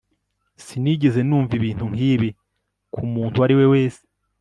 sinigeze numva ibintu nk'ibi ku muntu uwo ari we wese